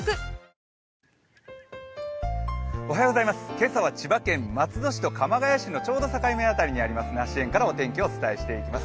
今朝は千葉県松戸市と鎌ケ谷市のちょうど真ん中辺りにある梨園からお天気をお伝えしています。